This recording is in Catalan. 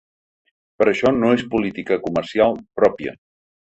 Però això no és política comercial pròpia.